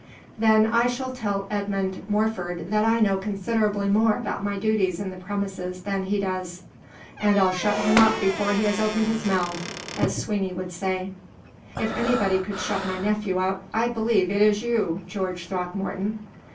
"Then I shall tell Edmund Morford that I know considerably more about my duties in the premises than he does; and I'll shut him up before he has opened his mouth, as Sweeney would say." "If anybody could shut my nephew up, I believe it is you, George Throckmorton.